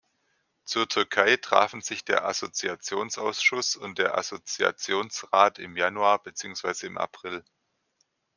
Zur Türkei trafen sich der Assoziationsausschuss und der Assoziationsrat im Januar beziehungsweise im April.